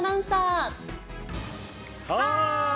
はーい。